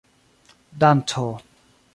danco